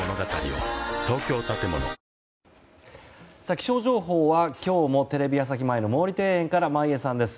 気象情報は今日もテレビ朝日前の毛利庭園から眞家さんです。